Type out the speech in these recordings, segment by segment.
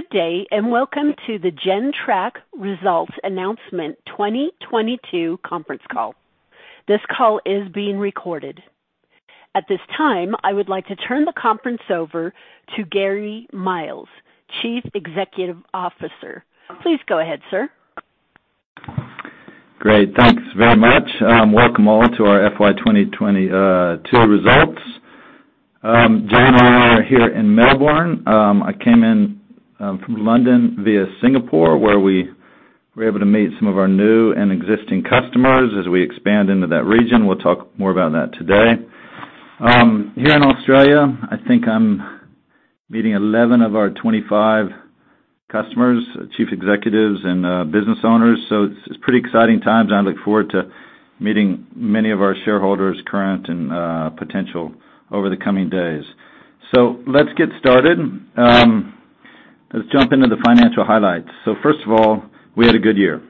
Good day. Welcome to the Gentrack Results Announcement 2022 conference call. This call is being recorded. At this time, I would like to turn the conference over to Gary Miles, Chief Executive Officer. Please go ahead, sir. Great. Thanks very much. Welcome all to our FY 2022 results. James and I are here in Melbourne. I came in from London via Singapore, where we were able to meet some of our new and existing customers as we expand into that region. We'll talk more about that today. Here in Australia, I think I'm meeting 11 of our 25 customers, chief executives and business owners. It's pretty exciting times. I look forward to meeting many of our shareholders, current and potential, over the coming days. Let's get started. Let's jump into the financial highlights. First of all, we had a good year.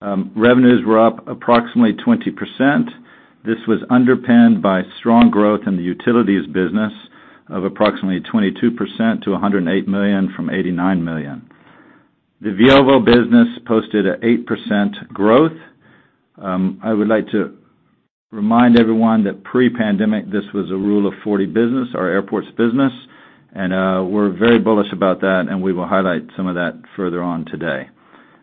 Revenues were up approximately 20%. This was underpinned by strong growth in the utilities business of approximately 22% to 108 million from 89 million. The Veovo business posted an 8% growth. I would like to remind everyone that pre-pandemic, this was a Rule of 40 business, our airports business, and we're very bullish about that, and we will highlight some of that further on today.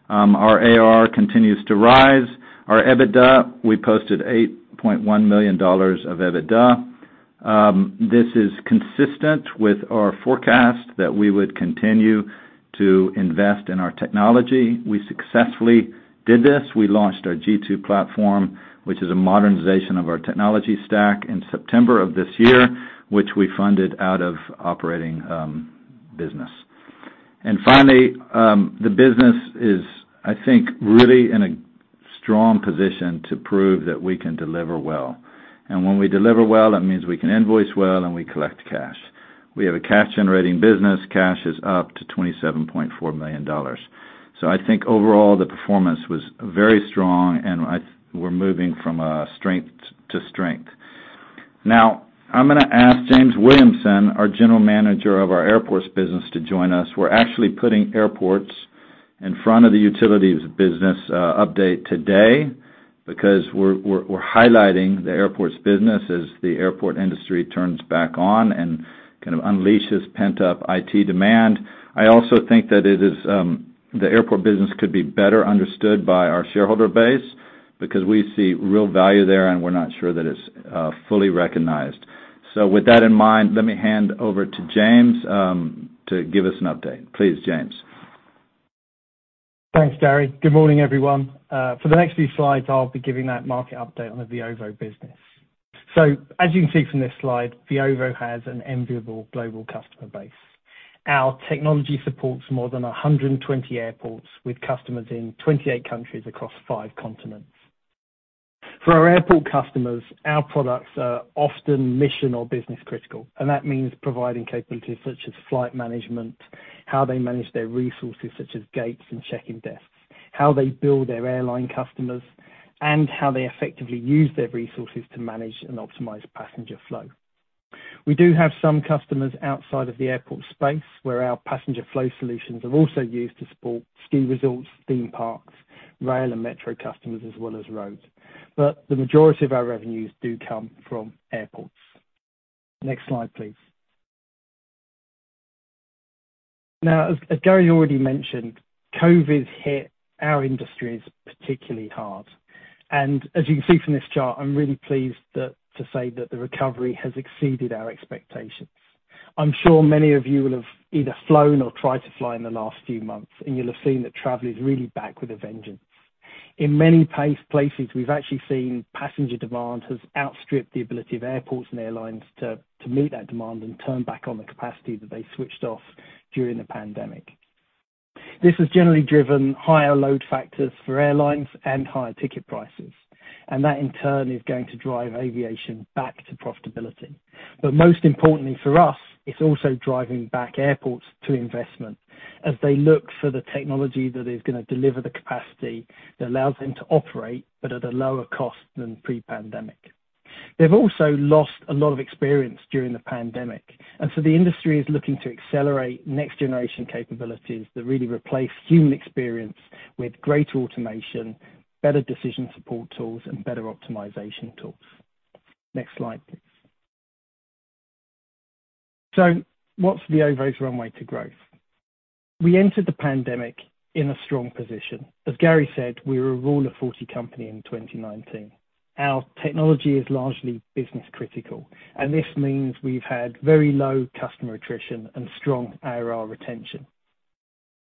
Our AR continues to rise. Our EBITDA, we posted 8.1 million dollars of EBITDA. This is consistent with our forecast that we would continue to invest in our technology. We successfully did this. We launched our g2 platform, which is a modernization of our technology stack, in September of this year, which we funded out of operating business. Finally, the business is, I think, really in a strong position to prove that we can deliver well. When we deliver well, that means we can invoice well and we collect cash. We have a cash-generating business. Cash is up to 27.4 million dollars. I think overall, the performance was very strong, and we're moving from strength to strength. I'm gonna ask James Williamson, our general manager of our airports business, to join us. We're actually putting airports in front of the utilities business update today because we're highlighting the airports business as the airport industry turns back on and kind of unleashes pent-up IT demand. I also think that it is the airport business could be better understood by our shareholder base because we see real value there, and we're not sure that it's fully recognized. With that in mind, let me hand over to James to give us an update. Please, James. Thanks, Gary. Good morning, everyone. For the next few slides, I'll be giving that market update on the Veovo business. As you can see from this slide, Veovo has an enviable global customer base. Our technology supports more than 120 airports with customers in 28 countries across five continents. For our airport customers, our products are often mission or business-critical, and that means providing capabilities such as flight management, how they manage their resources, such as gates and check-in desks, how they build their airline customers, and how they effectively use their resources to manage and optimize passenger flow. We do have some customers outside of the airport space, where our passenger flow solutions are also used to support ski resorts, theme parks, rail and metro customers, as well as roads. The majority of our revenues do come from airports. Next slide, please. Now, as Gary already mentioned, COVID hit our industries particularly hard. As you can see from this chart, I'm really pleased to say that the recovery has exceeded our expectations. I'm sure many of you will have either flown or tried to fly in the last few months, and you'll have seen that travel is really back with a vengeance. In many places, we've actually seen passenger demand has outstripped the ability of airports and airlines to meet that demand and turn back on the capacity that they switched off during the pandemic. This has generally driven higher load factors for airlines and higher ticket prices, and that, in turn, is going to drive aviation back to profitability. Most importantly for us, it's also driving back airports to investment as they look for the technology that is gonna deliver the capacity that allows them to operate, but at a lower cost than pre-pandemic. They've also lost a lot of experience during the pandemic, the industry is looking to accelerate next-generation capabilities that really replace human experience with greater automation, better decision support tools, and better optimization tools. Next slide. What's Veovo's runway to growth? We entered the pandemic in a strong position. As Gary said, we were a Rule of 40 company in 2019. Our technology is largely business-critical, and this means we've had very low customer attrition and strong ARR retention.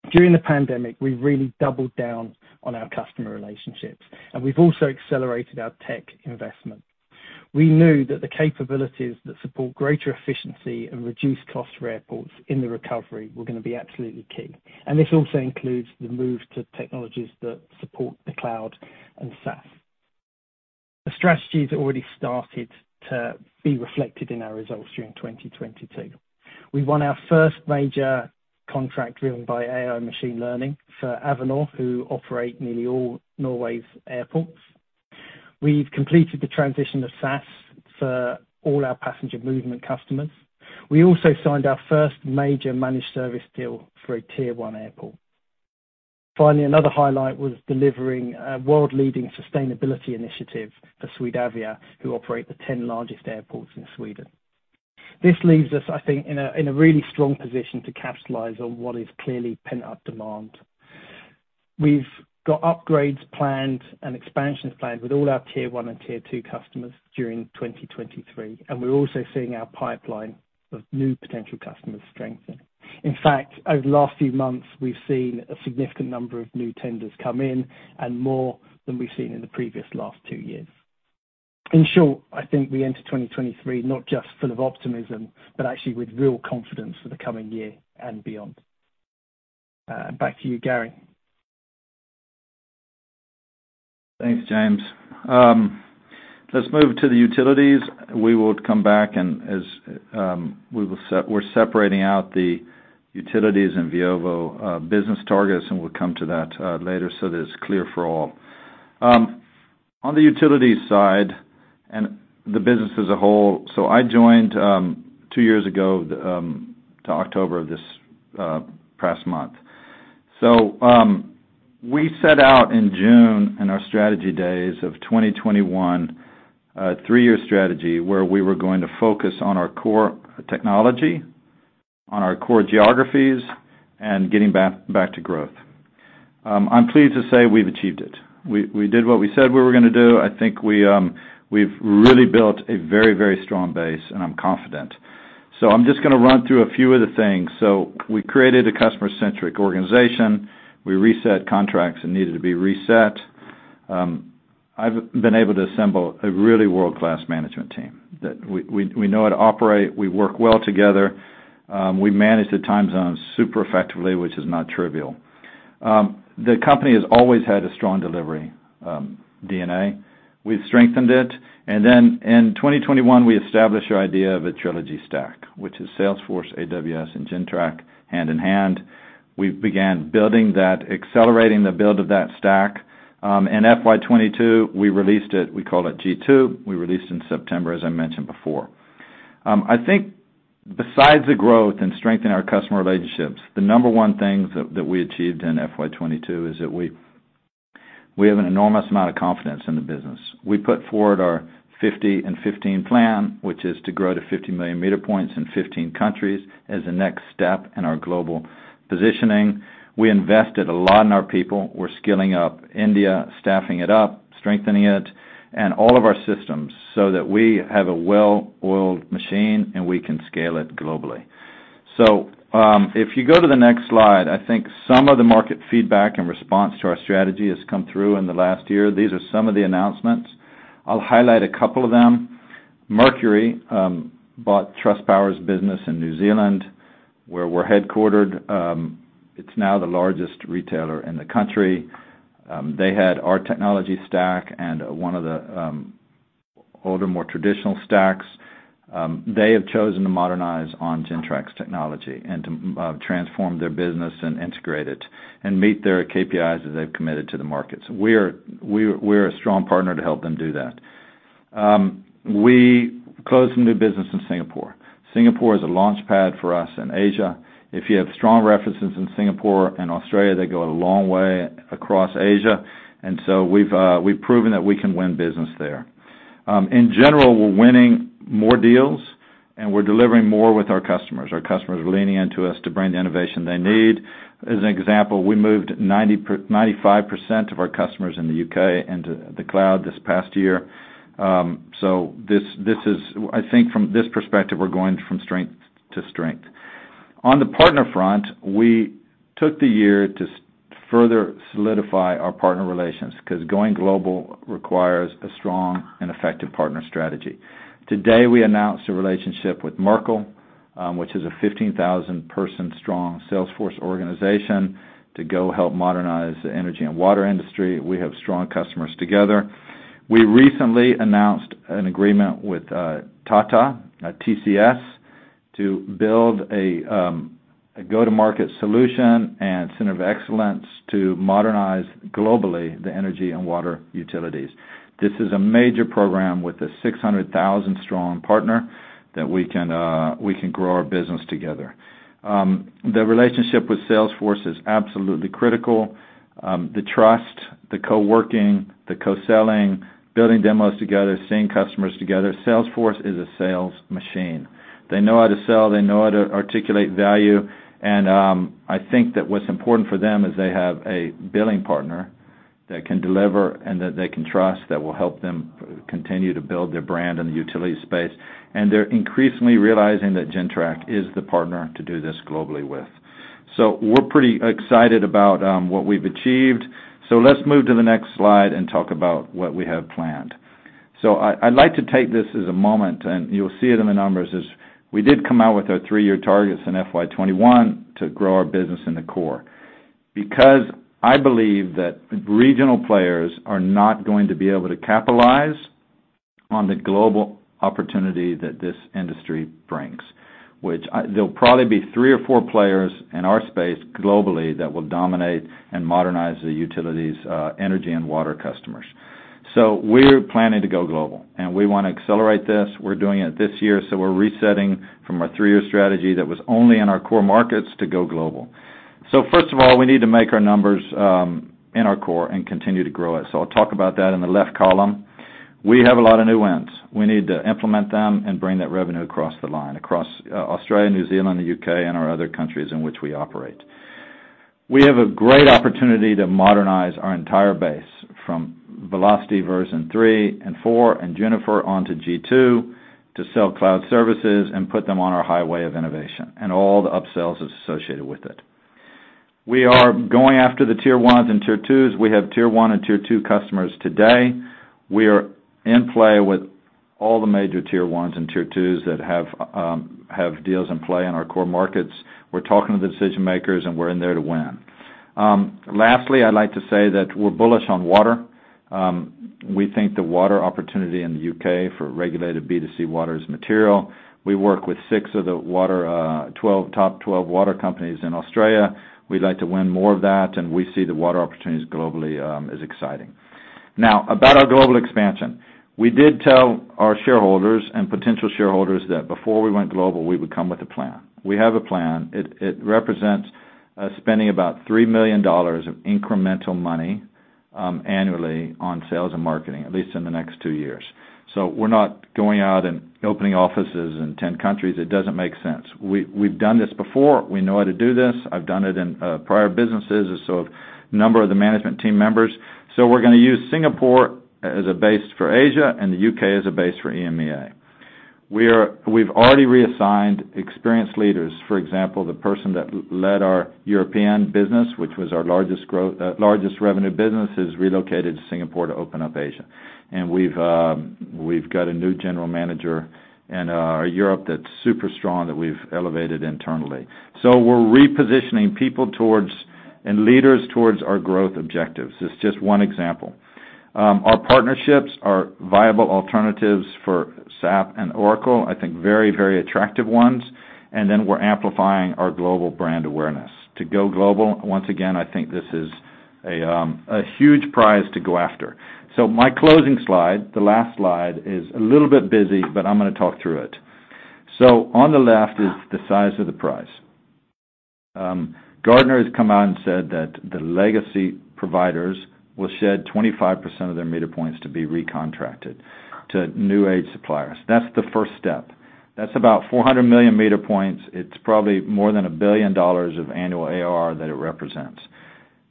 During the pandemic, we really doubled down on our customer relationships, and we've also accelerated our tech investment. We knew that the capabilities that support greater efficiency and reduced costs for airports in the recovery were gonna be absolutely key. This also includes the move to technologies that support the cloud and SaaS. The strategies already started to be reflected in our results during 2022. We won our first major contract driven by AI machine learning for Avinor, who operate nearly all Norway's airports. We've completed the transition to SaaS for all our passenger movement customers. We also signed our first major Managed Services deal for a Tier 1 airport. Finally, another highlight was delivering a world-leading sustainability initiative for Swedavia, who operate the 10 largest airports in Sweden. This leaves us, I think, in a really strong position to capitalize on what is clearly pent-up demand. We've got upgrades planned and expansions planned with all Tier 1 and Tier 2 customers during 2023, and we're also seeing our pipeline of new potential customers strengthen. In fact, over the last few months, we've seen a significant number of new tenders come in and more than we've seen in the previous last two years. In short, I think we enter 2023, not just full of optimism, but actually with real confidence for the coming year and beyond. Back to you, Gary. Thanks, James. Let's move to the utilities. We will come back and as we're separating out the utilities and Veovo business targets and we'll come to that later so that it's clear for all. On the utilities side and the business as a whole. I joined two years ago, the to October of this past month. We set out in June, in our strategy days of 2021, a three-year strategy where we were going to focus on our core technology, on our core geographies, and getting back to growth. I'm pleased to say we've achieved it. We did what we said we were gonna do. I think we've really built a very, very strong base, and I'm confident. I'm just gonna run through a few of the things. We created a customer-centric organization. We reset contracts that needed to be reset. I've been able to assemble a really world-class management team that we know how to operate. We work well together. We manage the time zones super effectively, which is not trivial. The company has always had a strong delivery DNA. We've strengthened it. In 2021, we established our idea of a trilogy stack, which is Salesforce, AWS, and Gentrack hand in hand. We began building that, accelerating the build of that stack. In FY 2022, we released it. We call it g2. We released in September, as I mentioned before. I think besides the growth and strengthen our customer relationships, the number one thing we achieved in FY 2022 is that we have an enormous amount of confidence in the business. We put forward our 50 and 15 plan, which is to grow to 50 million meter points in 15 countries as the next step in our global positioning. We invested a lot in our people. We're scaling up India, staffing it up, strengthening it, and all of our systems so that we have a well-oiled machine, and we can scale it globally. If you go to the next slide, I think some of the market feedback and response to our strategy has come through in the last year. These are some of the announcements. I'll highlight a couple of them. Mercury bought Trustpower's business in New Zealand, where we're headquartered. It's now the largest retailer in the country. They had our technology stack and one of the older, more traditional stacks. They have chosen to modernize on Gentrack's technology and transform their business and integrate it and meet their KPIs as they've committed to the market. We're a strong partner to help them do that. We closed some new business in Singapore. Singapore is a launchpad for us in Asia. If you have strong references in Singapore and Australia, they go a long way across Asia. We've proven that we can win business there. In general, we're winning more deals, and we're delivering more with our customers. Our customers are leaning into us to bring the innovation they need. As an example, we moved 95% of our customers in the U.K. into the cloud this past year. I think from this perspective, we're going from strength to strength. On the partner front, we took the year to further solidify our partner relations because going global requires a strong and effective partner strategy. Today, we announced a relationship with Merkle, which is a 15,000 person strong Salesforce organization to go help modernize the energy and water industry. We have strong customers together. We recently announced an agreement with Tata, TCS, to build a go-to-market solution and center of excellence to modernize globally the energy and water utilities. This is a major program with a 600,000 strong partner that we can grow our business together. The relationship with Salesforce is absolutely critical. The trust, the co-working, the co-selling, building demos together, seeing customers together. Salesforce is a sales machine. They know how to sell, they know how to articulate value, and I think that what's important for them is they have a billing partner that can deliver and that they can trust that will help them continue to build their brand in the utility space. They're increasingly realizing that Gentrack is the partner to do this globally with. We're pretty excited about what we've achieved. Let's move to the next slide and talk about what we have planned. I'd like to take this as a moment, and you'll see it in the numbers, is we did come out with our three-year targets in FY 2021 to grow our business in the core. I believe that regional players are not going to be able to capitalize on the global opportunity that this industry brings, which there'll probably be three or four players in our space globally that will dominate and modernize the utilities, energy and water customers. We're planning to go global, and we wanna accelerate this. We're doing it this year, so we're resetting from our three-year strategy that was only in our core markets to go global. First of all, we need to make our numbers in our core and continue to grow it. I'll talk about that in the left column. We have a lot of new wins. We need to implement them and bring that revenue across the line, across Australia, New Zealand, the U.K. and our other countries in which we operate. We have a great opportunity to modernize our entire base from Velocity version 3 and 4 and Junifer onto g2, to sell cloud services and put them on our highway of innovation, and all the upsells associated with it. We are going after Tier 1s and Tier 2s. We Tier 1 and Tier 2 customers today. We are in play with all the Tier 1s and Tier 2s that have deals in play in our core markets. We're talking to the decision-makers, and we're in there to win. Lastly, I'd like to say that we're bullish on water. We think the water opportunity in the U.K. for regulated B2C water is material. We work with six of the water, top 12 water companies in Australia. We'd like to win more of that. We see the water opportunities globally, as exciting. About our global expansion. We did tell our shareholders and potential shareholders that before we went global, we would come with a plan. We have a plan. It represents spending about 3 million dollars of incremental money annually on sales and marketing, at least in the next two years. We're not going out and opening offices in 10 countries. It doesn't make sense. We've done this before. We know how to do this. I've done it in prior businesses and so have a number of the management team members. We're gonna use Singapore as a base for Asia and the U.K. as a base for EMEA. We've already reassigned experienced leaders. For example, the person that led our European business, which was our largest growth, largest revenue business, has relocated to Singapore to open up Asia. We've got a new general manager in Europe that's super strong that we've elevated internally. We're repositioning people towards, and leaders towards our growth objectives. This is just one example. Our partnerships are viable alternatives for SAP and Oracle, I think very, very attractive ones. Then we're amplifying our global brand awareness. To go global, once again, I think this is a huge prize to go after. My closing slide, the last slide, is a little bit busy, but I'm gonna talk through it. On the left is the size of the prize. Gartner has come out and said that the legacy providers will shed 25% of their meter points to be recontracted to new age suppliers. That's the first step. That's about 400 million meter points. It's probably more than $1 billion of annual ARR that it represents.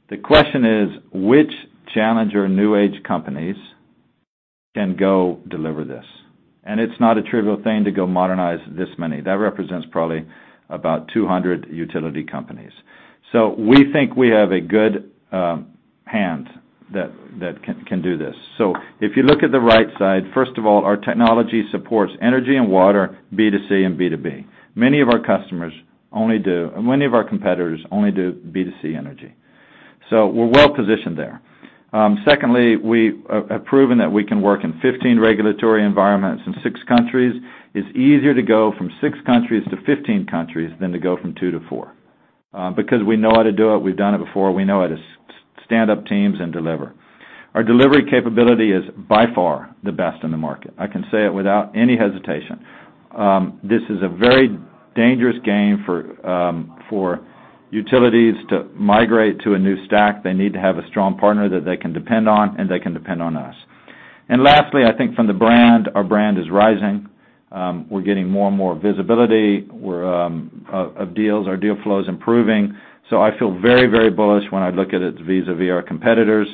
The question is, which challenger new age companies can go deliver this? It's not a trivial thing to go modernize this many. That represents probably about 200 utility companies. We think we have a good hand that can do this. If you look at the right side, first of all, our technology supports energy and water, B2C and B2B. Many of our competitors only do B2C energy. We're well positioned there. Secondly, we have proven that we can work in 15 regulatory environments in six countries. It's easier to go from six countries to 15 countries than to go from two to four because we know how to do it, we've done it before. We know how to stand up teams and deliver. Our delivery capability is by far the best in the market. I can say it without any hesitation. This is a very dangerous game for utilities to migrate to a new stack. They need to have a strong partner that they can depend on, and they can depend on us. Lastly, I think from the brand, our brand is rising. We're getting more and more visibility. We're of deals. Our deal flow is improving. I feel very, very bullish when I look at it vis-à-vis our competitors.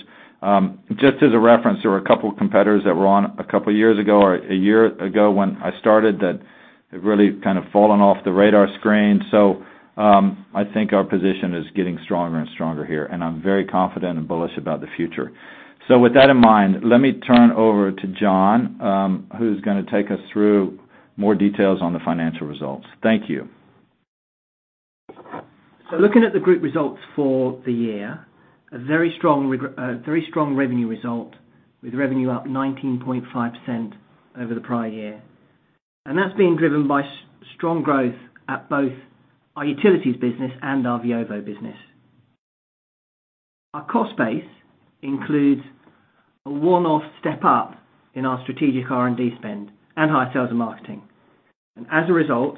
Just as a reference, there were a couple competitors that were on a couple years ago or a year ago when I started that have really kind of fallen off the radar screen. I think our position is getting stronger and stronger here, and I'm very confident and bullish about the future. With that in mind, let me turn over to John, who's gonna take us through more details on the financial results. Thank you. Looking at the group results for the year, a very strong revenue result with revenue up 19.5% over the prior year. That's being driven by strong growth at both our utilities business and our Veovo business. Our cost base includes a one-off step up in our strategic R&D spend and higher sales and marketing. As a result,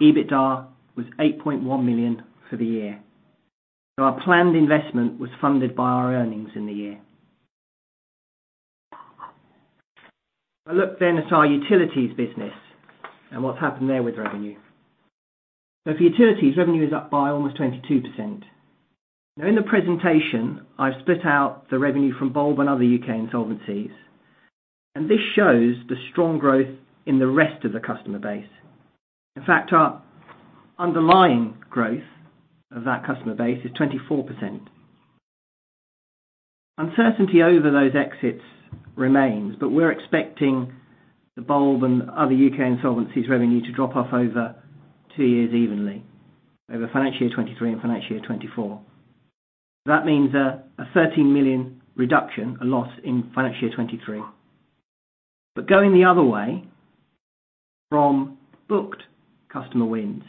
EBITDA was 8.1 million for the year. Our planned investment was funded by our earnings in the year. If I look then at our utilities business and what's happened there with revenue. For utilities, revenue is up by almost 22%. Now, in the presentation, I've split out the revenue from Bulb and other U.K. insolvencies, and this shows the strong growth in the rest of the customer base. In fact, our underlying growth of that customer base is 24%. Uncertainty over those exits remains, but we're expecting the Bulb and other U.K. insolvencies revenue to drop off over two years evenly, over financial year 2023 and financial year 2024. That means a 13 million reduction, a loss in financial year 2023. Going the other way from booked customer wins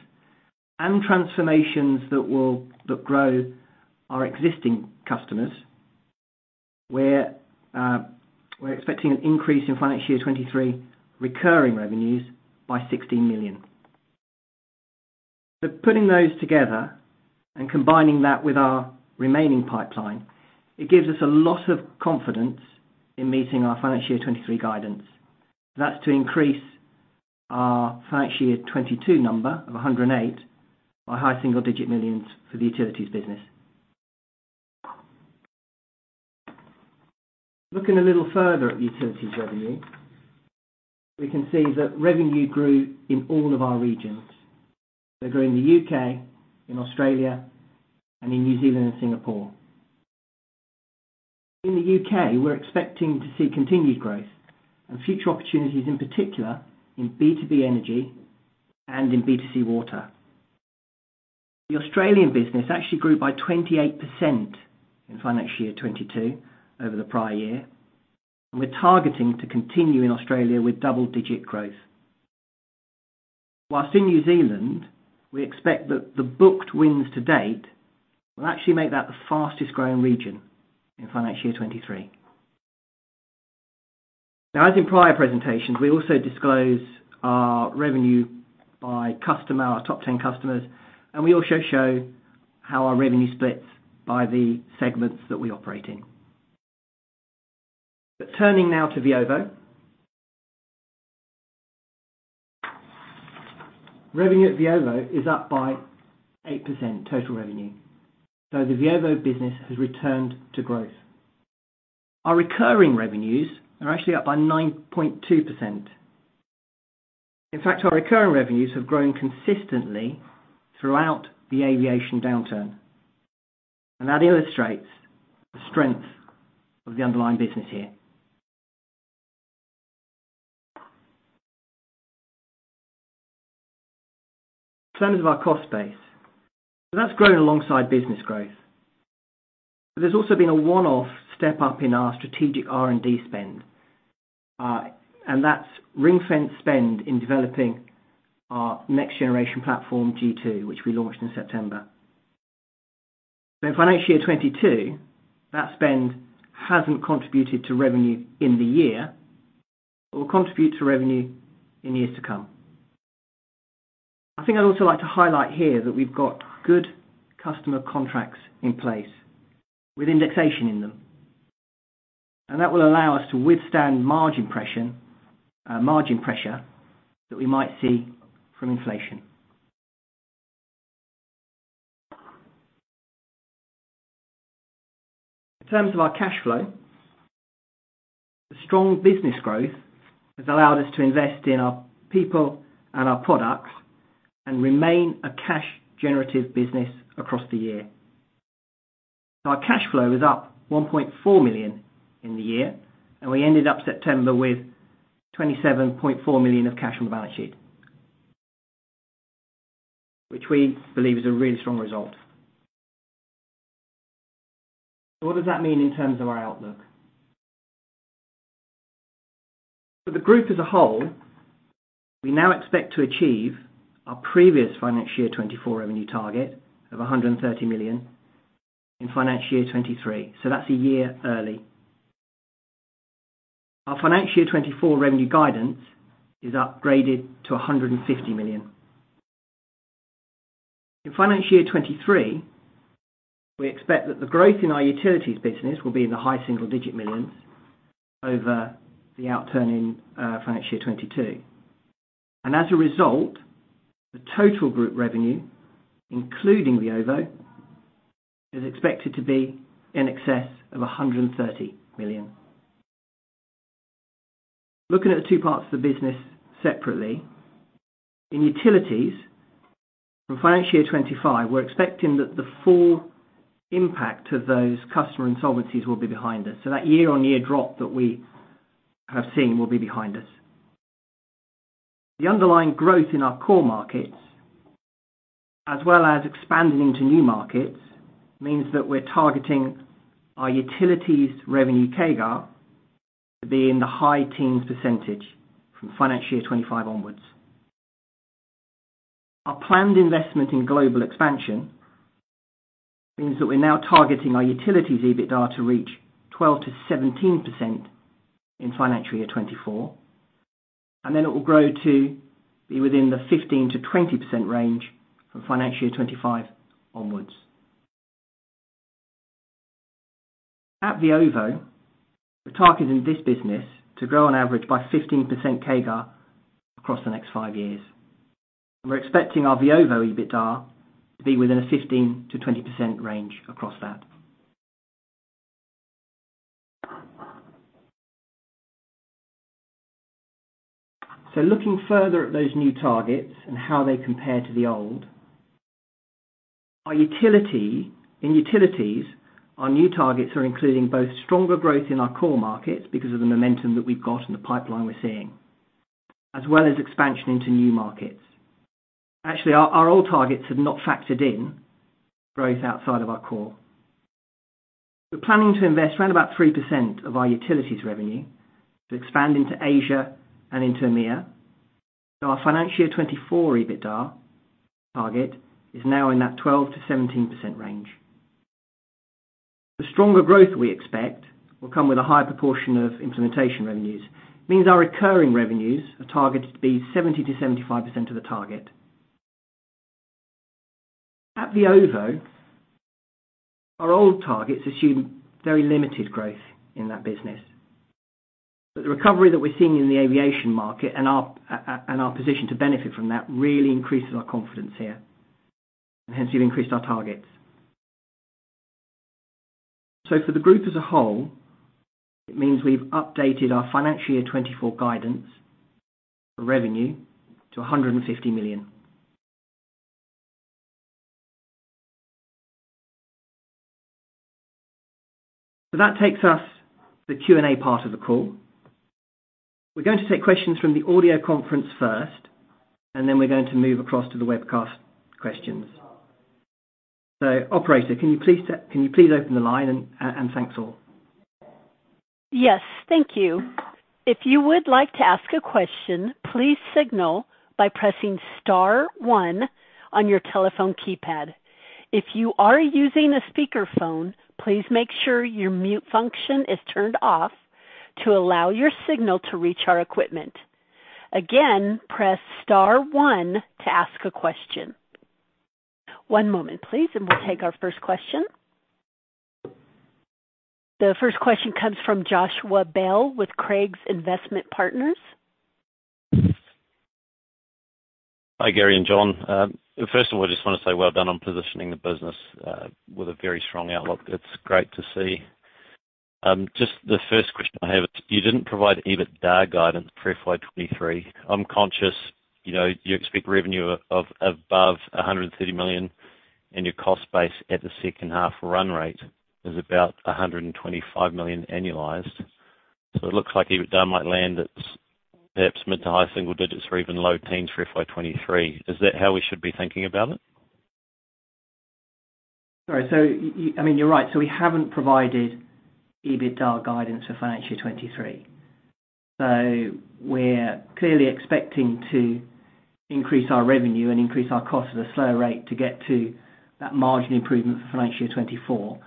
and transformations that grow our existing customers, we're expecting an increase in financial year 2023 recurring revenues by 16 million. Putting those together and combining that with our remaining pipeline, it gives us a lot of confidence in meeting our financial year 2023 guidance. That's to increase our financial year 2022 number of 108 million by NZD high single-digit millions for the utilities business. Looking a little further at utilities revenue, we can see that revenue grew in all of our regions. They grew in the U.K., in Australia, and in New Zealand and Singapore. In the U.K., we're expecting to see continued growth and future opportunities, in particular in B2B energy and in B2C water. The Australian business actually grew by 28% in financial year 2022 over the prior year, and we're targeting to continue in Australia with double-digit growth. Whilst in New Zealand, we expect that the booked wins to date will actually make that the fastest-growing region in financial year 2023. As in prior presentations, we also disclose our revenue by customer, our top 10 customers, and we also show how our revenue splits by the segments that we operate in. Turning now to Veovo. Revenue at Veovo is up by 8% total revenue. The Veovo business has returned to growth. Our recurring revenues are actually up by 9.2%. In fact, our recurring revenues have grown consistently throughout the aviation downturn. That illustrates the strength of the underlying business here. In terms of our cost base, that's grown alongside business growth. There's also been a one-off step up in our strategic R&D spend, and that's ring-fence spend in developing our next generation platform, g2, which we launched in September. In financial year 2022, that spend hasn't contributed to revenue in the year. It will contribute to revenue in years to come. I think I'd also like to highlight here that we've got good customer contracts in place with indexation in them, and that will allow us to withstand margin pressure that we might see from inflation. In terms of our cash flow, the strong business growth has allowed us to invest in our people and our products and remain a cash generative business across the year. Our cash flow is up 1.4 million in the year, and we ended up September with 27.4 million of cash on the balance sheet, which we believe is a really strong result. What does that mean in terms of our outlook? For the group as a whole, we now expect to achieve our previous financial year 2024 revenue target of 130 million in financial year 2023, so that's a year early. Our financial year 2024 revenue guidance is upgraded to 150 million. In financial year 2023, we expect that the growth in our utilities business will be in the high single-digit millions over the outturn in financial year 2022. As a result, the total group revenue, including Veovo, is expected to be in excess of 130 million. Looking at the two parts of the business separately. In utilities, from financial year 2025, we're expecting that the full impact of those customer insolvencies will be behind us. That year-on-year drop that we have seen will be behind us. The underlying growth in our core markets, as well as expanding into new markets, means that we're targeting our utilities revenue CAGR to be in the high teens percentage from financial year 2025 onwards. Our planned investment in global expansion means that we're now targeting our utilities EBITDA to reach 12%-17% in financial year 2024, and then it will grow to be within the 15%-20% range from financial year 2025 onwards. At Veovo, we're targeting this business to grow on average by 15% CAGR across the next five years. We're expecting our Veovo EBITDA to be within a 15%-20% range across that. Looking further at those new targets and how they compare to the old. In utilities, our new targets are including both stronger growth in our core markets because of the momentum that we've got and the pipeline we're seeing, as well as expansion into new markets. Actually, our old targets have not factored in growth outside of our core. We're planning to invest around about 3% of our utilities revenue to expand into Asia and into EMEA. Our financial year 2024 EBITDA target is now in that 12%-17% range. The stronger growth we expect will come with a higher proportion of implementation revenues. It means our recurring revenues are targeted to be 70%-75% of the target. At Veovo, our old targets assumed very limited growth in that business. The recovery that we're seeing in the aviation market and our and our position to benefit from that really increases our confidence here, and hence, we've increased our targets. For the group as a whole, it means we've updated our financial year 2024 guidance revenue to NZD 150 million. That takes us to the Q&A part of the call. We're going to take questions from the audio conference first, and then we're going to move across to the webcast questions. Operator, can you please open the line and thanks all. Yes, thank you. If you would like to ask a question, please signal by pressing star one on your telephone keypad. If you are using a speakerphone, please make sure your mute function is turned off to allow your signal to reach our equipment. Again, press star one to ask a question. One moment, please, and we'll take our first question. The first question comes from Joshua Bell with Craigs Investment Partners. Hi, Gary and John. First of all, I just want to say well done on positioning the business with a very strong outlook. It's great to see. Just the first question I have, you didn't provide EBITDA guidance for FY 2023. I'm conscious, you know, you expect revenue of, above 130 million, and your cost base at the second half run rate is about 125 million annualized. It looks like EBITDA might land at perhaps mid to high single digits or even low teens for FY 2023. Is that how we should be thinking about it? Sorry. I mean, you're right. We haven't provided EBITDA guidance for financial year 2023. We're clearly expecting to increase our revenue and increase our cost at a slower rate to get to that margin improvement for financial year 2024,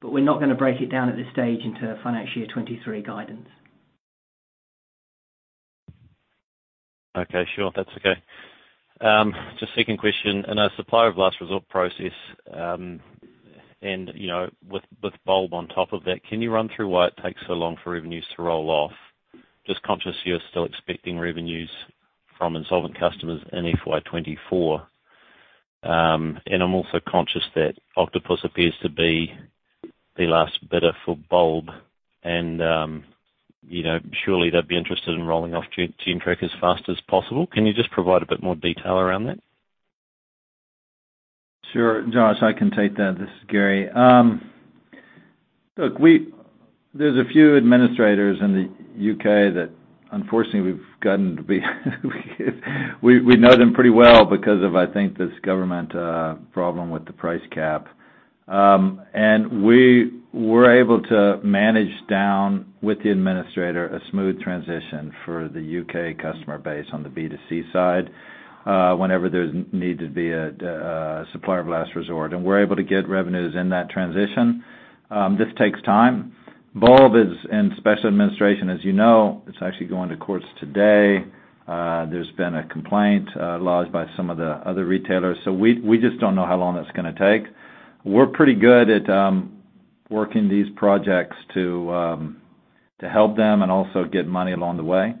but we're not going to break it down at this stage into financial year 2023 guidance. Okay, sure. That's okay. Just second question. In a Supplier of Last Resort process, and, you know, with Bulb on top of that, can you run through why it takes so long for revenues to roll off? Just conscious you're still expecting revenues from insolvent customers in FY 2024. I'm also conscious that Octopus appears to be the last bidder for Bulb and, you know, surely they'll be interested in rolling off Gentrack as fast as possible. Can you just provide a bit more detail around that? Sure, Josh, I can take that. This is Gary. Look, there's a few administrators in the U.K. that unfortunately we've gotten to be we know them pretty well because of, I think, this government problem with the price cap. We were able to manage down with the administrator a smooth transition for the U.K. customer base on the B2C side, whenever there's need to be a supplier of last resort. We're able to get revenues in that transition. This takes time. Bulb is in special administration, as you know. It's actually going to courts today. There's been a complaint lodged by some of the other retailers. We just don't know how long it's gonna take. We're pretty good at working these projects to help them and also get money along the way.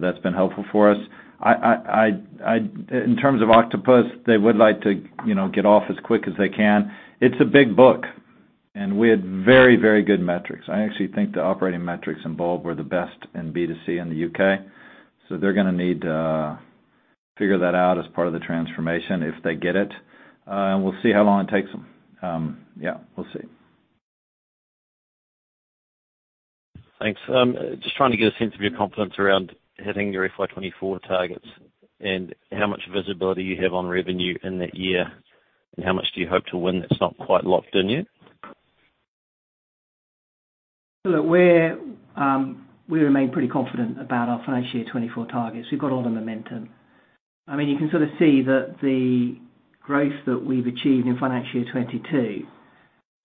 That's been helpful for us. In terms of Octopus, they would like to, you know, get off as quick as they can. It's a big book, and we had very, very good metrics. I actually think the operating metrics in Bulb were the best in B2C in the U.K. They're gonna need to figure that out as part of the transformation if they get it. We'll see how long it takes them. Yeah, we'll see. Thanks. Just trying to get a sense of your confidence around hitting your FY 2024 targets and how much visibility you have on revenue in that year, and how much do you hope to win that's not quite locked in yet? Look, we're, we remain pretty confident about our financial year 2024 targets. We've got all the momentum. I mean, you can sort of see that the growth that we've achieved in financial year 2022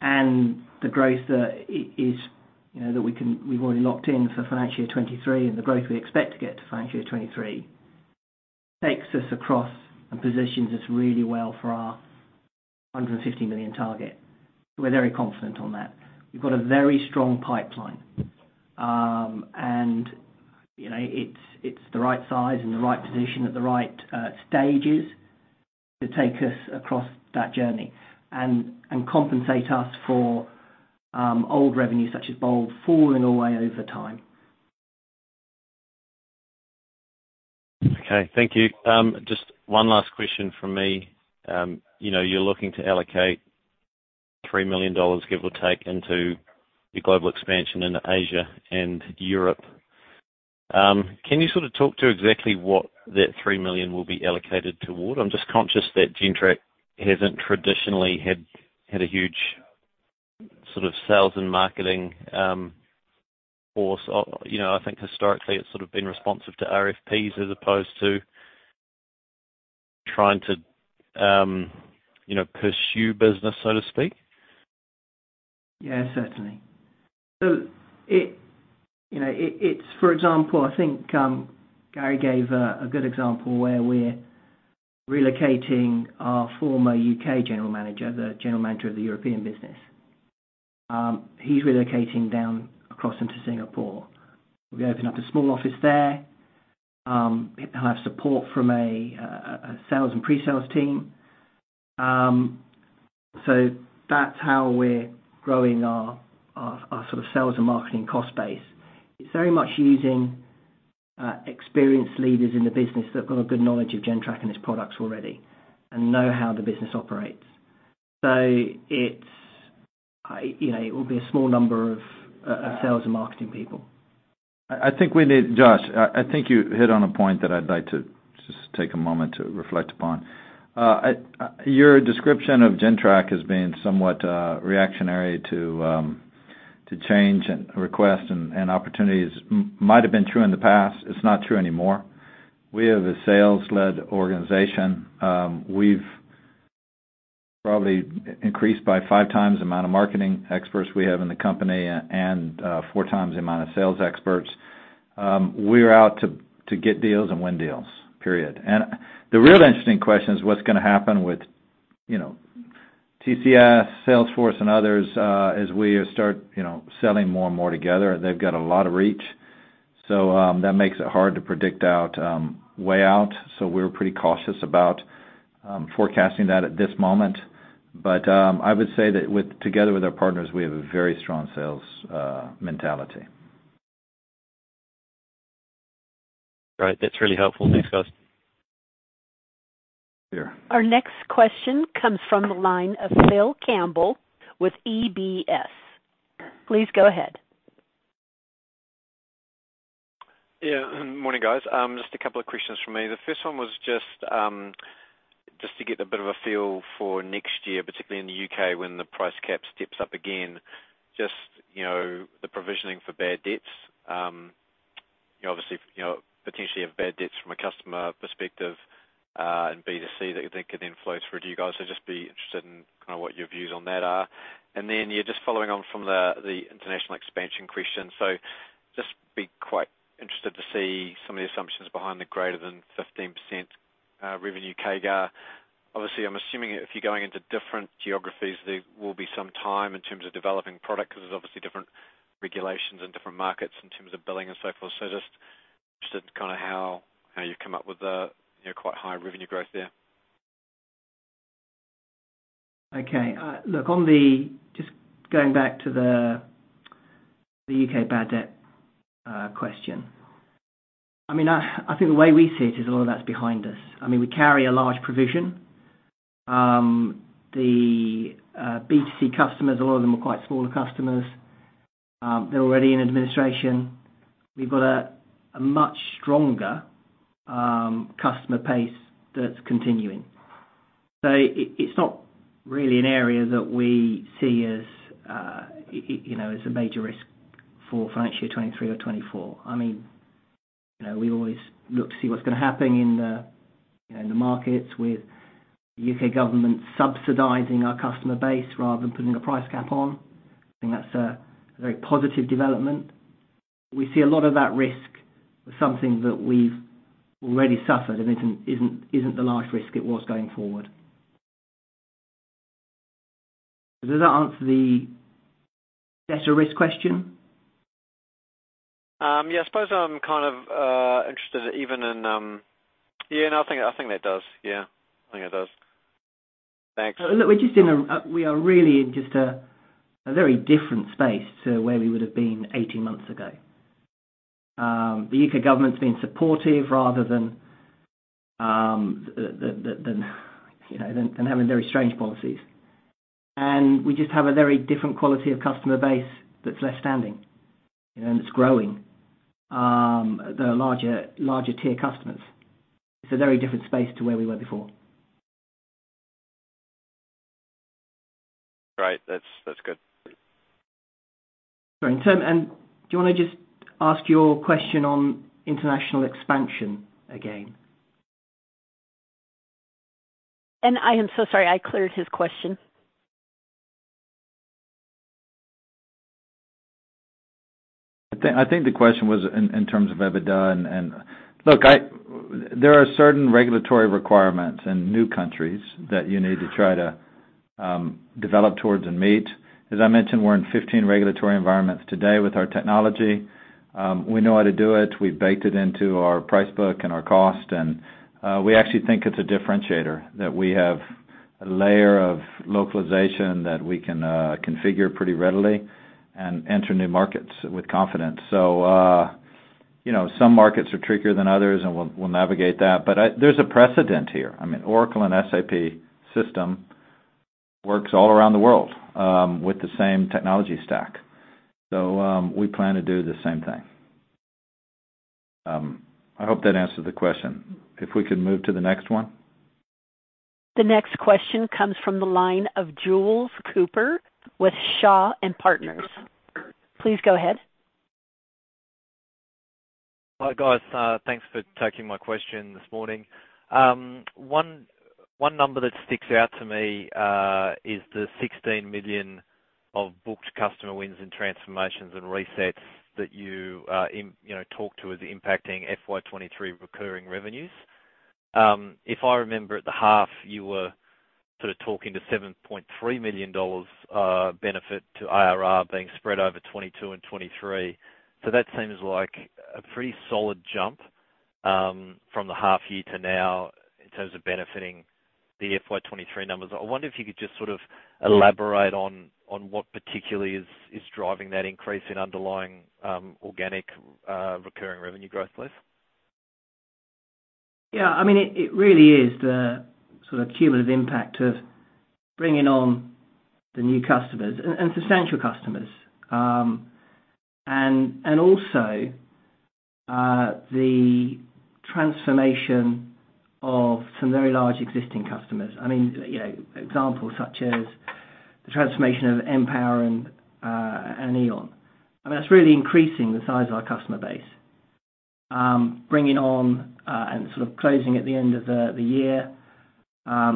and the growth that is, you know, that we've already locked in for financial year 2023 and the growth we expect to get to financial year 2023 takes us across and positions us really well for our 150 million target. We're very confident on that. We've got a very strong pipeline. You know, it's the right size and the right position at the right stages to take us across that journey and compensate us for old revenues such as Bulb falling away over time. Okay. Thank you. Just one last question from me. You know, you're looking to allocate 3 million dollars, give or take, into your global expansion into Asia and Europe. Can you sort of talk to exactly what that 3 million will be allocated toward? I'm just conscious that Gentrack hasn't traditionally had a huge sort of sales and marketing force. You know, I think historically it's sort of been responsive to RFPs as opposed to trying to, you know, pursue business, so to speak. Yeah, certainly. It, you know, it's for example, I think, Gary gave a good example where we're relocating our former U.K. general manager, the general manager of the European business. He's relocating down across into Singapore. We open up a small office there, have support from a sales and pre-sales team. That's how we're growing our sort of sales and marketing cost base. It's very much using experienced leaders in the business that have got a good knowledge of Gentrack and its products already and know how the business operates. It's, you know, it will be a small number of sales and marketing people. I think we need Josh, I think you hit on a point that I'd like to just take a moment to reflect upon. I, your description of Gentrack as being somewhat reactionary to change and requests and opportunities might have been true in the past. It's not true anymore. We are the sales-led organization. We've probably increased by 5x the amount of marketing experts we have in the company and 4x the amount of sales experts. We're out to get deals and win deals, period. The real interesting question is what's gonna happen with, you know, TCS, Salesforce, and others, as we start, you know, selling more and more together. They've got a lot of reach. That makes it hard to predict out way out. We're pretty cautious about forecasting that at this moment. I would say that with, together with our partners, we have a very strong sales mentality. All right. That's really helpful. Thanks, guys. Sure. Our next question comes from the line of Phil Campbell with UBS. Please go ahead. Yeah. Morning, guys. Just a couple of questions from me. The first one was just to get a bit of a feel for next year, particularly in the U.K. when the price cap steps up again, just, you know, the provisioning for bad debts. You obviously, you know, potentially have bad debts from a customer perspective, and B2C that they could influence for you guys. Just be interested in kind of what your views on that are. Yeah, just following on from the international expansion question. Just be quite interested to see some of the assumptions behind the greater than 15% revenue CAGR. Obviously, I'm assuming if you're going into different geographies, there will be some time in terms of developing product because there's obviously different regulations and different markets in terms of billing and so forth. Just interested kind of how you've come up with the, you know, quite high revenue growth there. Okay. Look, just going back to the U.K. bad debt question. I mean, I think the way we see it is a lot of that's behind us. I mean, we carry a large provision. The B2C customers, a lot of them are quite smaller customers. They're already in administration. We've got a much stronger customer pace that's continuing. It's not really an area that we see as, you know, as a major risk for financial 2023 or 2024. I mean, you know, we always look to see what's gonna happen in the, you know, in the markets with U.K. government subsidizing our customer base rather than putting a price cap on. I think that's a very positive development. We see a lot of that risk as something that we've already suffered and isn't the large risk it was going forward. Does that answer the better risk question? Yeah. I suppose I'm kind of interested even in... Yeah. No, I think that does. Yeah. I think it does. Thanks. Look, we're just in a, we are really in just a very different space to where we would have been 18 months ago. The U.K. government's been supportive rather than, you know, than having very strange policies. We just have a very different quality of customer base that's left standing, you know, and it's growing. The larger tier customers. It's a very different space to where we were before. Right. That's good. Sorry. Do you wanna just ask your question on international expansion again? I am so sorry. I cleared his question. I think the question was in terms of EBITDA and. Look, there are certain regulatory requirements in new countries that you need to try to develop towards and meet. As I mentioned, we're in 15 regulatory environments today with our technology. We know how to do it. We baked it into our price book and our cost, and we actually think it's a differentiator that we have a layer of localization that we can configure pretty readily and enter new markets with confidence. You know, some markets are trickier than others, and we'll navigate that. There's a precedent here. I mean, Oracle and SAP system works all around the world with the same technology stack. We plan to do the same thing. I hope that answered the question. If we could move to the next one. The next question comes from the line of Jules Cooper with Shaw and Partners. Please go ahead. Hi, guys. Thanks for taking my question this morning. One number that sticks out to me is the $16 million of booked customer wins and transformations, and resets that you know, talk to as impacting FY 2023 recurring revenues. If I remember at the half, you were sort of talking to $7.3 million benefit to IRR being spread over 2022 and 2023. That seems like a pretty solid jump from the half year to now in terms of benefiting the FY 2023 numbers. I wonder if you could just sort of elaborate on what particularly is driving that increase in underlying organic recurring revenue growth, please? Yeah, I mean, it really is the sort of cumulative impact of bringing on the new customers and substantial customers. Also, the transformation of some very large existing customers. I mean, you know, examples such as the transformation of Empower and E.ON. I mean, that's really increasing the size of our customer base. Bringing on, and sort of closing at the end of the year,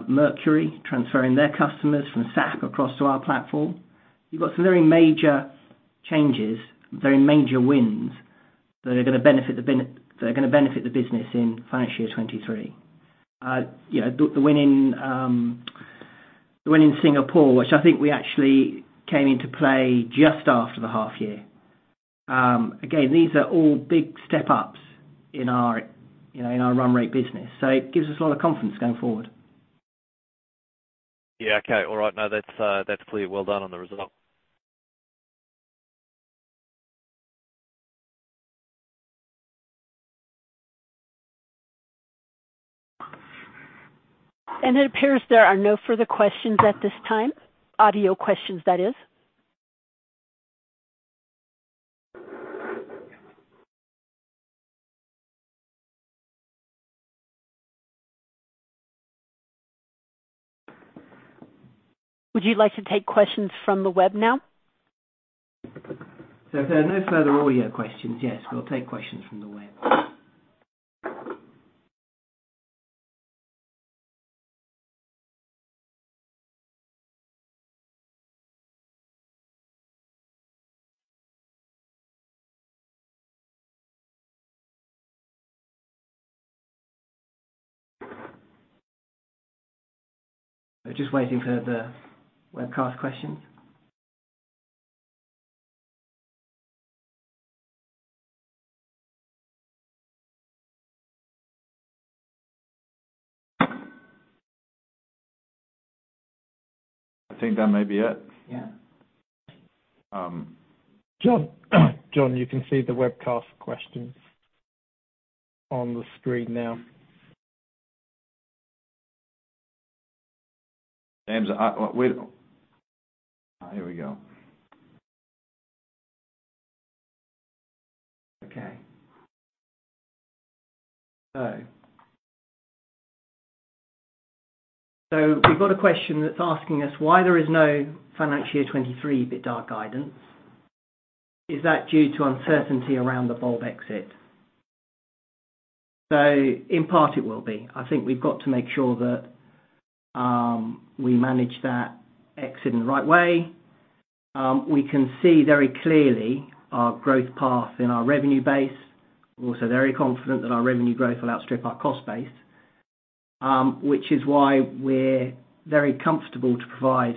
Mercury, transferring their customers from SAP across to our platform. You've got some very major changes, very major wins that are gonna benefit the business in financial year 2023. You know, the win in Singapore, which I think we actually came into play just after the half year. Again, these are all big step-ups in our, you know, in our run rate business. It gives us a lot of confidence going forward. Yeah. Okay. All right. No, that's clear. Well done on the result. It appears there are no further questions at this time. Audio questions, that is. Would you like to take questions from the web now? If there are no further audio questions, yes, we'll take questions from the web. We're just waiting for the webcast questions. I think that may be it. Yeah. Um- John, you can see the webcast questions on the screen now. James, Here we go. Okay. We've got a question that's asking us why there is no financial year 2023 EBITDA guidance. Is that due to uncertainty around the Bulb exit? In part, it will be. I think we've got to make sure that we manage that exit in the right way. We can see very clearly our growth path in our revenue base. We're also very confident that our revenue growth will outstrip our cost base, which is why we're very comfortable to provide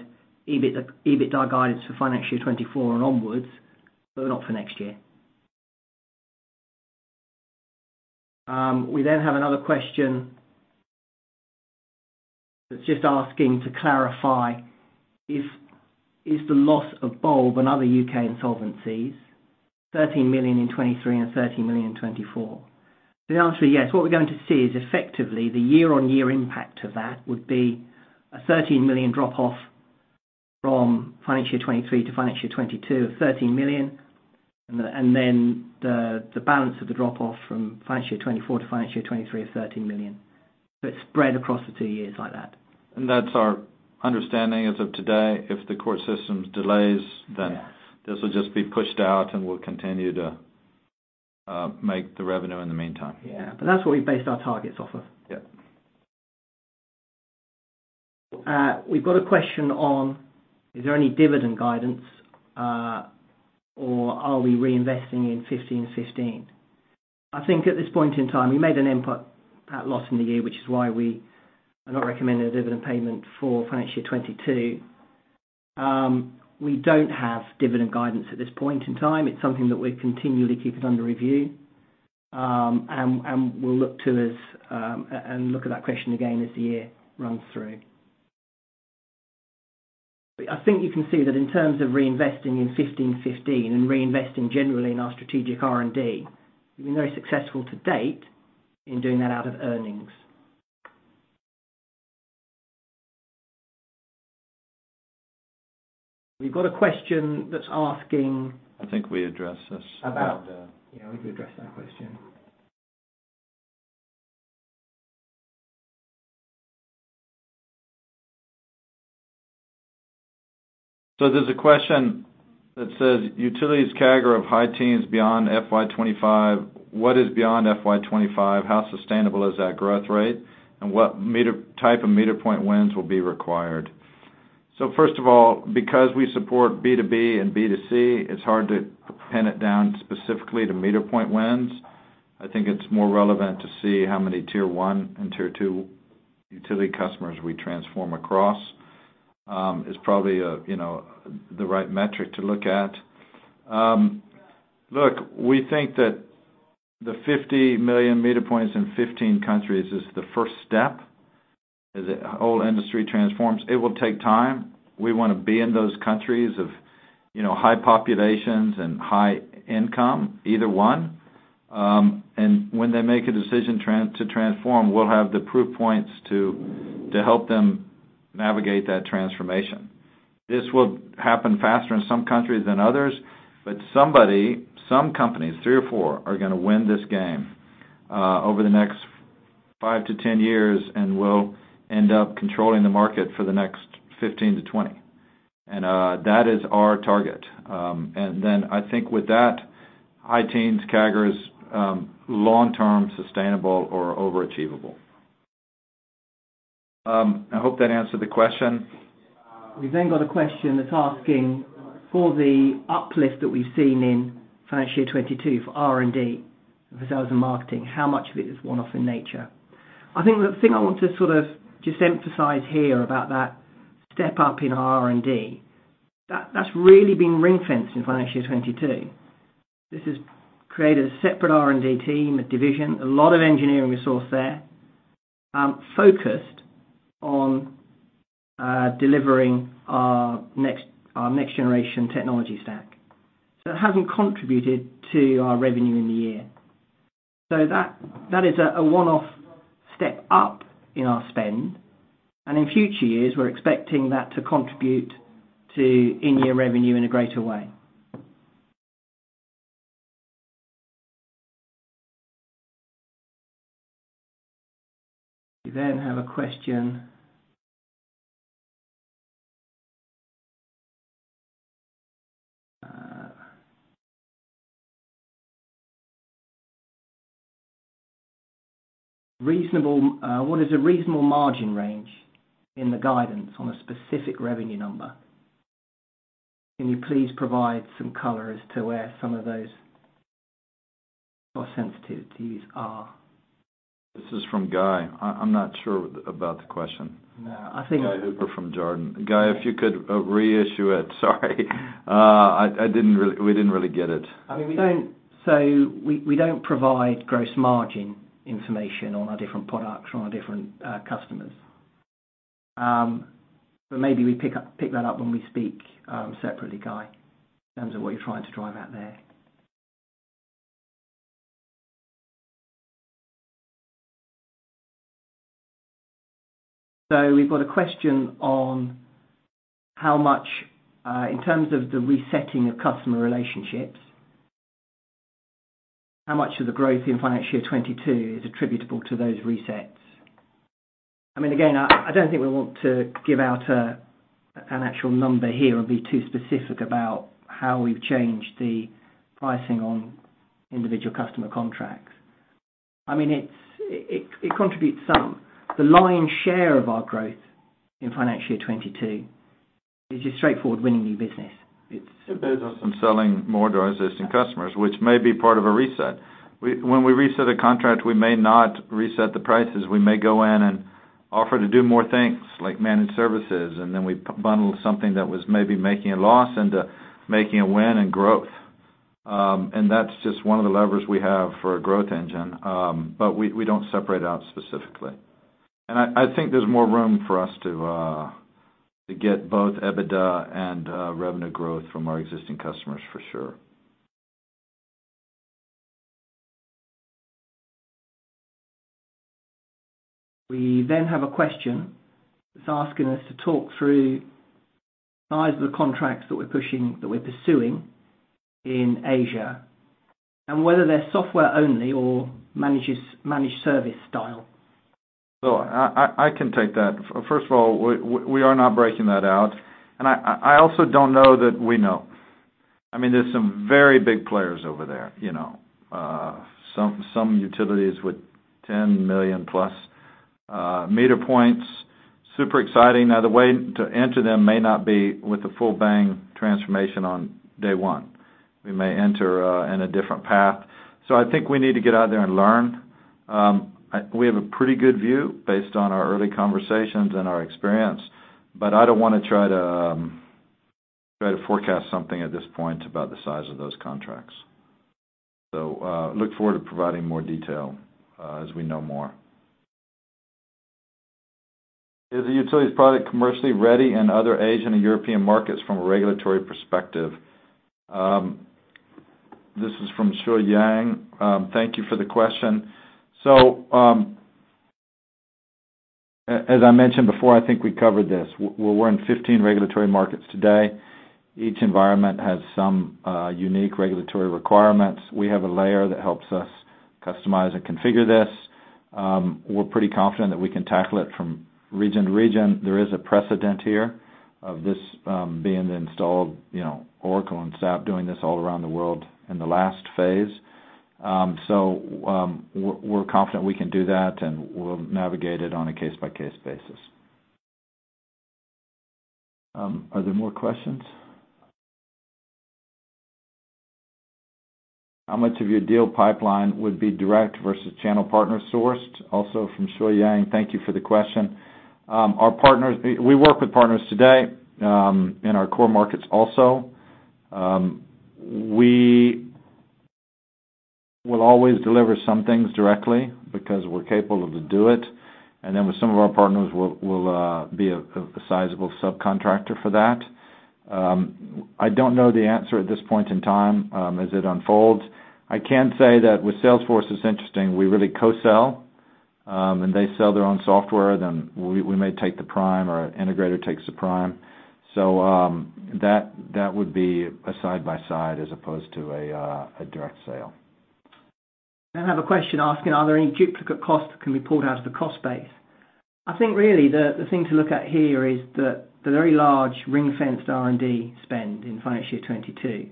EBIT, EBITDA guidance for financial year 2024 and onwards, but not for next year. We have another question that's just asking to clarify if the loss of Bulb and other U.K. insolvencies 13 million in 2023 and 13 million in 2024? The answer is yes. What we're going to see is effectively the year-on-year impact of that would be a 13 million drop-off from financial year 2023 to financial year 2022 of 13 million. The balance of the drop-off from financial year 2024 to financial year 2023 is 13 million. It's spread across the two years like that. That's our understanding as of today. If the court system delays. Yeah. this will just be pushed out, and we'll continue to make the revenue in the meantime. Yeah. That's what we based our targets off of. Yeah. We've got a question on, is there any dividend guidance, or are we reinvesting in 15 15? I think at this point in time, we made an input loss in the year, which is why we are not recommending a dividend payment for financial year 2022. We don't have dividend guidance at this point in time. It's something that we're continually keeping under review, and we'll look at that question again as the year runs through. I think you can see that in terms of reinvesting in 15 15 and reinvesting generally in our strategic R&D, we've been very successful to date in doing that out of earnings. We've got a question that's asking. I think we addressed this. About, yeah, we addressed that question. There's a question that says, "Utilities CAGR of high teens beyond FY 2025. What is beyond FY 2025? How sustainable is that growth rate? What type of meter point wins will be required?" First of all, because we support B2B and B2C, it's hard to pin it down specifically to meter point wins. I think it's more relevant to see how Tier 1 and Tier 2 utility customers we transform across. Is probably, you know, the right metric to look at. Look, we think that the 50 million meter points in 15 countries is the first step as the whole industry transforms. It will take time. We wanna be in those countries of, you know, high populations and high income, either one. When they make a decision to transform, we'll have the proof points to help them navigate that transformation. This will happen faster in some countries than others, but somebody, some companies, three or four, are gonna win this game over the next five to 10 years, and will end up controlling the market for the next 15 to 20. That is our target. Then I think with that, high teens, CAGRs, long-term sustainable or over achievable. I hope that answered the question. We've got a question that's asking for the uplift that we've seen in financial year 2022 for R&D, for sales and marketing, how much of it is one-off in nature? I think the thing I want to sort of just emphasize here about that step up in R&D, that's really been ring-fenced in financial year 2022. This has created a separate R&D team, a division, a lot of engineering resource there, focused on delivering our next-generation technology stack. It hasn't contributed to our revenue in the year. That is a one-off step up in our spend. In future years, we're expecting that to contribute to in-year revenue in a greater way. We have a question. What is a reasonable margin range in the guidance on a specific revenue number? Can you please provide some color as to where some of those cost sensitivities are? This is from Guy. I'm not sure about the question. No. Guy Hooper from Jarden. Guy, if you could reissue it. Sorry. We didn't really get it. I mean, we don't provide gross margin information on our different products from our different customers. But maybe we pick that up when we speak separately, Guy, in terms of what you're trying to drive at there. We've got a question on how much in terms of the resetting of customer relationships, how much of the growth in financial year 2022 is attributable to those resets? I mean, again, I don't think we want to give out an actual number here or be too specific about how we've changed the pricing on individual customer contracts. I mean, it contributes some. The lion's share of our growth in financial year 2022 is just straightforward winning new business. It is us selling more to our existing customers, which may be part of a reset. When we reset a contract, we may not reset the prices. We may go in and offer to do more things like Managed Services, and then we bundle something that was maybe making a loss into making a win and growth. That's just one of the levers we have for a growth engine. We, we don't separate out specifically. I think there's more room for us to get both EBITDA and revenue growth from our existing customers for sure. We have a question that's asking us to talk through size of the contracts that we're pushing, that we're pursuing in Asia, and whether they're software only or managed service style. I can take that. First of all, we are not breaking that out. I also don't know that we know. I mean, there's some very big players over there, you know. Some utilities with 10 million-plus meter points. Super exciting. The way to enter them may not be with the full bang transformation on day one. We may enter in a different path. I think we need to get out there and learn. We have a pretty good view based on our early conversations and our experience. I don't wanna try to forecast something at this point about the size of those contracts. Look forward to providing more detail as we know more. Is the utilities product commercially ready in other Asian and European markets from a regulatory perspective? This is from Shui Yang. Thank you for the question. As I mentioned before, I think we covered this. We're in 15 regulatory markets today. Each environment has some unique regulatory requirements. We have a layer that helps us customize and configure this. We're pretty confident that we can tackle it from region to region. There is a precedent here of this being installed, you know, Oracle and SAP doing this all around the world in the last phase. We're confident we can do that, and we'll navigate it on a case-by-case basis. Are there more questions? How much of your deal pipeline would be direct versus channel partner sourced? From Shui Yang. Thank you for the question. Our partners. We work with partners today in our core markets also. We will always deliver some things directly because we're capable to do it. Then with some of our partners, we'll be a sizable subcontractor for that. I don't know the answer at this point in time, as it unfolds. I can say that with Salesforce, it's interesting, we really co-sell, and they sell their own software, then we may take the prime or integrator takes the prime. That would be a side by side as opposed to a direct sale. I have a question asking, are there any duplicate costs that can be pulled out of the cost base? I think really the thing to look at here is the very large ring-fenced R&D spend in financial year 2022.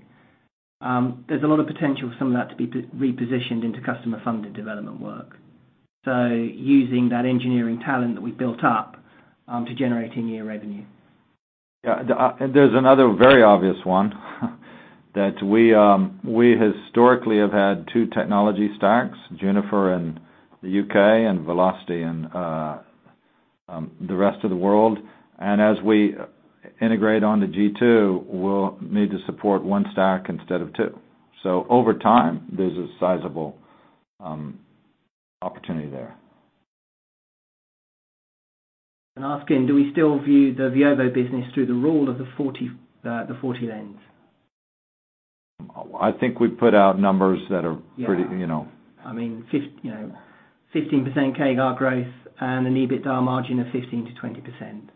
There's a lot of potential for some of that to be repositioned into customer-funded development work. Using that engineering talent that we built up to generating new revenue. Yeah, there's another very obvious one that we historically have had two technology stacks, Junifer in the U.K. and Velocity in, the rest of the world. As we integrate onto g2, we'll need to support one stack instead of two. Over time, there's a sizable opportunity there. Asking, do we still view the Veovo business through the Rule of 40 lens? I think we put out numbers that are. Yeah. You know. I mean, you know, 15% CAGR growth and an EBITDA margin of 15%-20%.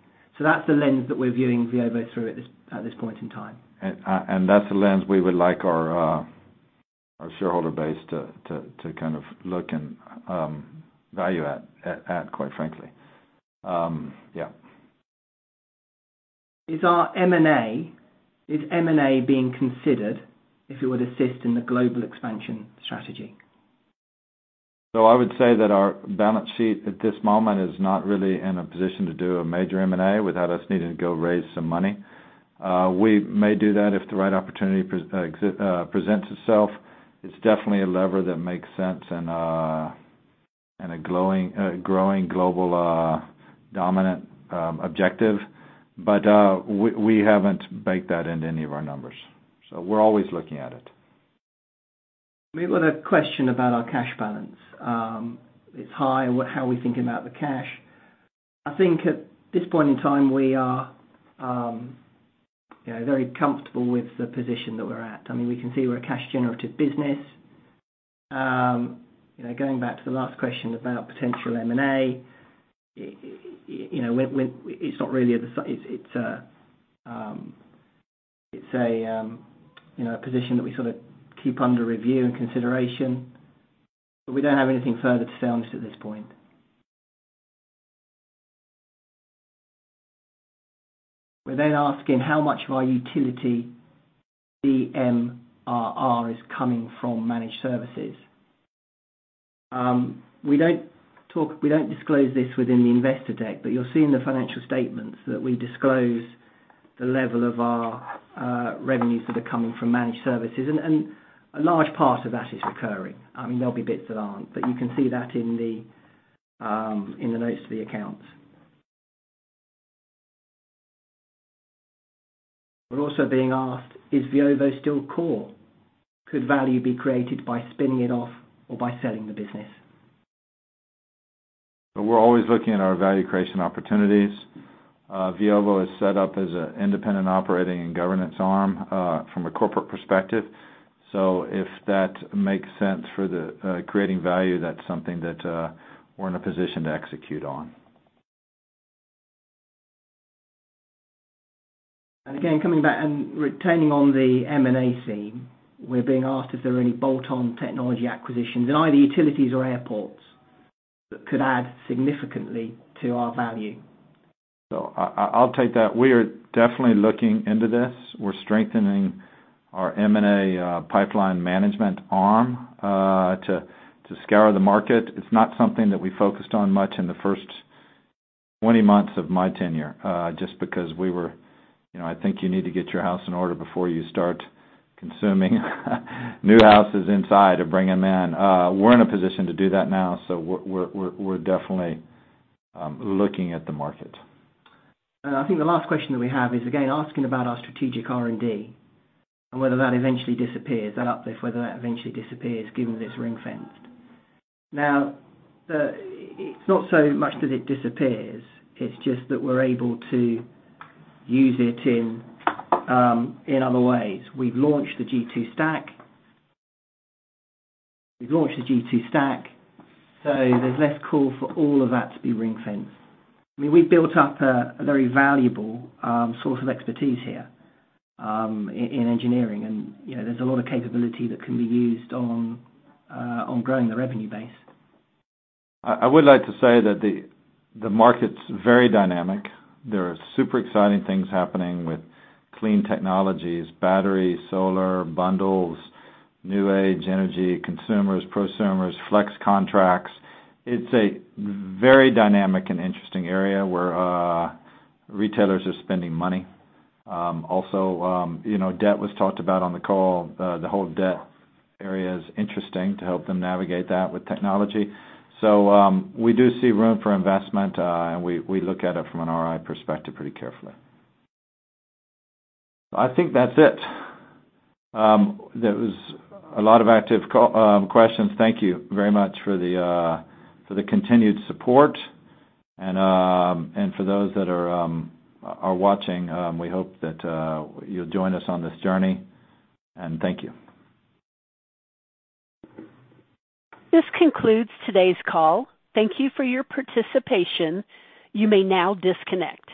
That's the lens that we're viewing Veovo through at this point in time. That's the lens we would like our shareholder base to kind of look and, value at, quite frankly. Is M&A being considered if it would assist in the global expansion strategy? I would say that our balance sheet at this moment is not really in a position to do a major M&A without us needing to go raise some money. We may do that if the right opportunity presents itself. It's definitely a lever that makes sense and in a growing global dominant objective. We haven't baked that into any of our numbers. We're always looking at it. We've got a question about our cash balance. It's high, how are we thinking about the cash? I think at this point in time, we are, you know, very comfortable with the position that we're at. I mean, we can see we're a cash generative business. You know, going back to the last question about potential M&A, it's a, you know, a position that we sort of keep under review and consideration, but we don't have anything further to say on this at this point. We're asking how much of our utility MRR is coming from Managed Services. We don't disclose this within the investor deck, but you'll see in the financial statements that we disclose the level of our revenues that are coming from Managed Services, and a large part of that is recurring. I mean, there'll be bits that aren't, but you can see that in the notes for the accounts. We're also being asked, is Veovo still core? Could value be created by spinning it off or by selling the business? We're always looking at our value creation opportunities. Veovo is set up as an independent operating and governance arm, from a corporate perspective. If that makes sense for the creating value, that's something that we're in a position to execute on. Again, coming back and retaining on the M&A scene, we're being asked if there are any bolt-on technology acquisitions in either utilities or airports that could add significantly to our value. I'll take that. We are definitely looking into this. We're strengthening our M&A pipeline management arm to scour the market. It's not something that we focused on much in the first 20 months of my tenure just because, you know, I think you need to get your house in order before you start consuming new houses inside to bring them in. We're in a position to do that now, we're definitely looking at the market. I think the last question that we have is again, asking about our strategic R&D and whether that eventually disappears, that uplift, whether that eventually disappears given that it's ring-fenced. It's not so much that it disappears. It's just that we're able to use it in other ways. We've launched the g2 stack, so there's less call for all of that to be ring-fenced. I mean, we've built up a very valuable source of expertise here in engineering. You know, there's a lot of capability that can be used on growing the revenue base. I would like to say that the market's very dynamic. There are super exciting things happening with clean technologies, batteries, solar, bundles, new age energy, consumers, prosumers, flex contracts. It's a very dynamic and interesting area where retailers are spending money. Also, you know, debt was talked about on the call. The whole debt area is interesting to help them navigate that with technology. We do see room for investment, and we look at it from an ROI perspective pretty carefully. I think that's it. There was a lot of active call questions. Thank you very much for the continued support and for those that are watching, we hope that you'll join us on this journey. Thank you. This concludes today's call. Thank You for your participation. You may now disconnect.